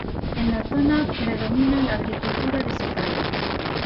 En la zona predomina la agricultura de secano.